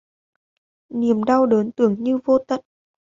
Niềm đau đớn tưởng như vô tận